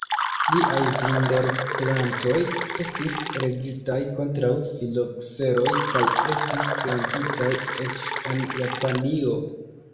Liaj vinberplantoj estis rezistaj kontraŭ filokseroj kaj estis plantitaj eĉ en Japanio.